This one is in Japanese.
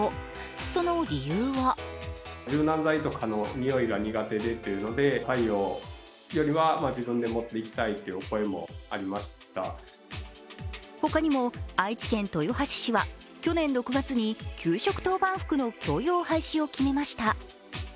その理由は他にも、愛知県豊橋市は去年６月に給食当番服の共用廃止を決めました。